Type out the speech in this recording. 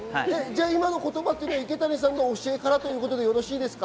今の言葉は池谷さんの教えからということで、よろしいですか？